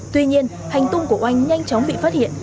tuy nhiên hành tung của oanh nhanh chóng bị phát hiện